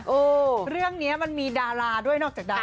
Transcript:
เรื่องนี้มันมีดาราด้วยนอกจากดา